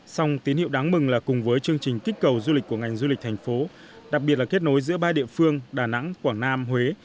song tín hiệu đáng mừng là cùng với chương trình kích cầu du lịch của ngành du lịch thành phố đặc biệt là kết nối giữa ba địa phương đà nẵng quảng nam huế